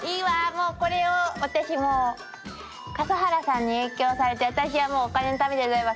もうこれを私笠原さんに影響されて私はもうお金のためじゃないわ。